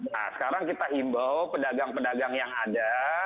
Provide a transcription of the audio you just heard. nah sekarang kita imbau pedagang pedagang yang ada